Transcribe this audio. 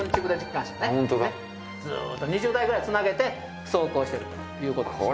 ずっと２０台くらいつなげて走行してるということですね。